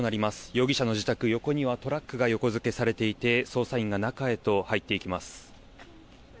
容疑者の自宅横にはトラックが横づけられていて捜査員が中へと入っていきます。